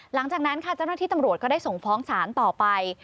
หลังจากนั้นค่ะเจ้าหน้าที่ตำรวจก็ได้ส่งฟ้องศาลต่อไป